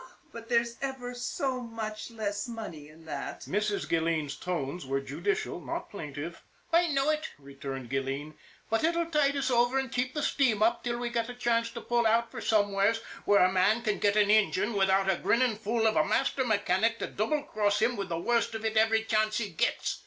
" But there's ever so much less money in that " Mrs. Gilleen's tones were judicial, not plaintive. " I know it," returned Gilleen ;" but it'll tide us over an' keep the steam up till we get a chance to pull out for somewheres where a man can get an engine with out a grinning fool of a master mechanic to double cross him with the worst of it every chance he gets."